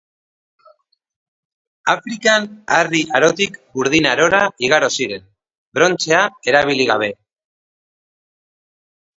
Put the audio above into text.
Afrikan, Harri Arotik Burdin Arora igaro ziren, brontzea erabili gabe.